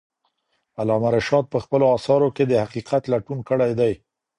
علامه رشاد په خپلو اثارو کې د حقیقت لټون کړی دی.